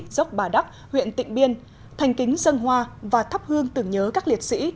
dốc bà đắc huyện tịnh biên thành kính dân hoa và thắp hương tưởng nhớ các liệt sĩ